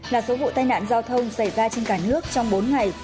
một trăm bốn mươi là số vụ tai nạn giao thông xảy ra trên cả nước trong bốn ngày